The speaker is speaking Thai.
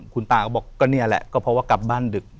คุณตาก็บอกก็นี่แหละก็เพราะว่ากลับบ้านดึก